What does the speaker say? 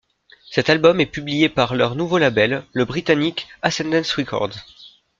Cet album est publié par leur nouveau label, le britannique Ascendance Records.